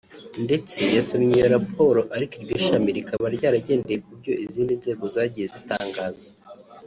ndetse yasomye iyo raporo ariko iryo shami rikaba ryaragendeye ku byo izindi nzego zagiye zitangaza